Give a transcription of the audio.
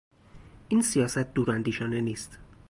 این سیاست دوراندیشانه نیست.